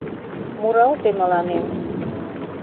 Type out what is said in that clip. Муралте мыланем